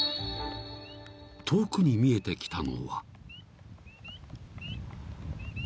［遠くに見えてきたのは］